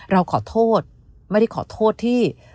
เราขอโทษไม่ได้ขอโทษที่